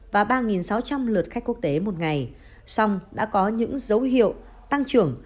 và ba sáu trăm linh lượt khách quốc tế một ngày song đã có những dấu hiệu tăng trưởng